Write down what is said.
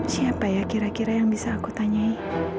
siapa ya kira kira yang bisa aku tanyai